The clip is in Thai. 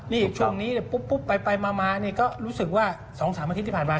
นี่ช่วงนี้ปุ๊บไปมาเนี่ยก็รู้สึกว่า๒๓สัปดาห์ที่ผ่านมาค่า